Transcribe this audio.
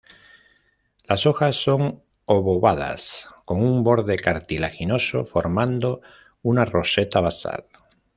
Las hojas son obovadas con un borde cartilaginoso formando una roseta basal.